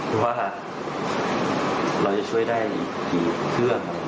เพราะว่าเราจะช่วยได้อีกกี่เครื่อง